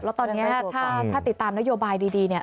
แล้วตอนนี้ถ้าติดตามนโยบายดีเนี่ย